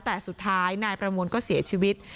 แต่สุดท้ายนายประมวลก็เสียชีวิต